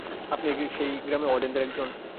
আপনি কি সেই গেম ওয়ার্ডেনদের একজন?